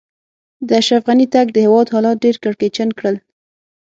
د اشرف غني تګ؛ د هېواد حالات ډېر کړکېچن کړل.